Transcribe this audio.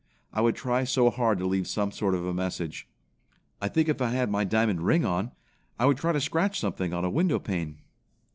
I would try so hard to leave some sort of a message. I think if I had my diamond ring on, I would try to scratch something on a window pane."